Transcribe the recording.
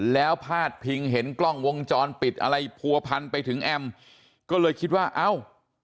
แล้วพาดพิงเห็นกล้องวงจรปิดอะไรผัวพันไปถึงแอมก็เลยคิดว่าเอ้า